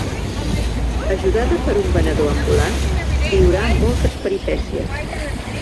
Ajudada per un venedor ambulant, viurà moltes peripècies.